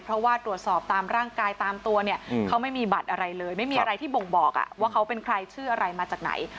เพราะว่าตรวจสอบตามร่างกายตามตัวเนี่ยเขาไม่มีบัตรอะไรเลยไม่มีอะไรที่บ่งบอกว่าเขาเป็นใครชื่ออะไรมาจากไหน